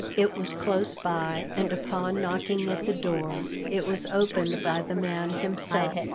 It was close by, and upon knocking at the door, it was opened by the man himself.